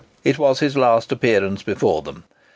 It was his last appearance before them.